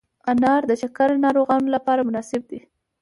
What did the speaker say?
انار د شکر ناروغانو لپاره مناسب دی.